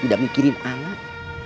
tidak mikirin anak